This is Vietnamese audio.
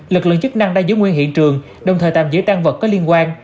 lực lượng chức năng đang giữ nguyên hiện trường đồng thời tạm giữ tăng vật có liên quan